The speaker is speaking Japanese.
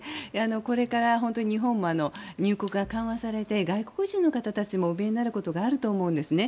これから本当に日本も入国が緩和されて外国人の方たちもお見えになることがあると思うんですね。